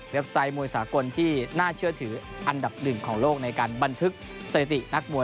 ไซต์มวยสากลที่น่าเชื่อถืออันดับหนึ่งของโลกในการบันทึกสถิตินักมวย